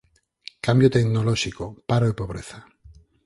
Cambio tecnolóxico, paro e pobreza